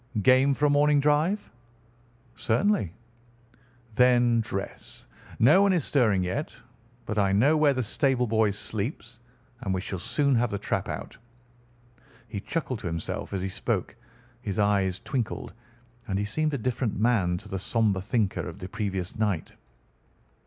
"Game for a morning drive?" "Certainly." "Then dress. No one is stirring yet, but I know where the stable boy sleeps, and we shall soon have the trap out." He chuckled to himself as he spoke, his eyes twinkled, and he seemed a different man to the sombre thinker of the previous night.